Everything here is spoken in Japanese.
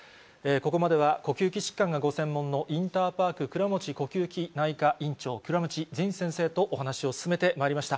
ここまでは呼吸器疾患がご専門のインターパーク倉持呼吸器内科院長、倉持仁先生とお話を進めてまいりました。